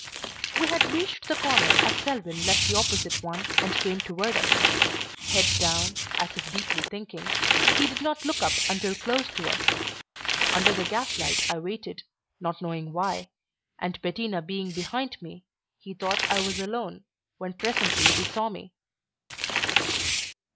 We had reached the corner as Selwyn left the opposite one and came toward us. Head down, as if deeply thinking, he did not look up until close to us. Under the gaslight I waited, not knowing why, and Bettina being behind me, he thought I was alone when presently he saw me.